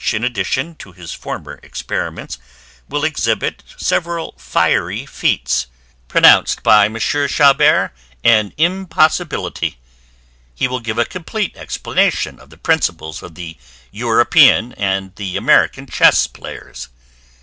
in addition to his former experiments will exhibit several fiery feats, pronounced by Mons. Chabert an IMPOSSIBILITY. He will give a COMPLETE explanation by illustrations of the PRINCIPLES of the EUROPEAN and the AMERICAN CHESS PLAYERS.